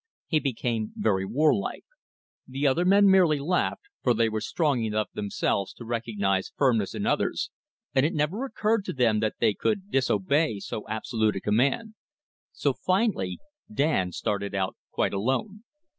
He became very warlike. The other men merely laughed, for they were strong enough themselves to recognize firmness in others, and it never occurred to them that they could disobey so absolute a command. So finally Dan started out quite alone.